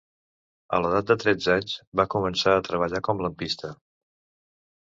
A l'edat de tretze anys va començar a treballar com lampista.